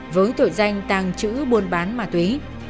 với tội danh tàng trữ buôn bán ma túy